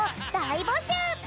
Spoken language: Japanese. いぼしゅう！